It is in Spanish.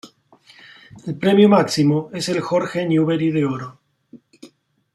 El premio máximo es el Jorge Newbery de Oro.